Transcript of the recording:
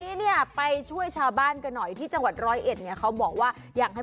นี้เนี่ยไปช่วยชาวบ้านกันหน่อยที่จังหวัดร้อยเอ็ดเนี่ยเขาบอกว่าอยากให้